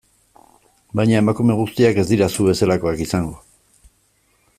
Baina emakume guztiak ez dira zu bezalakoak izango...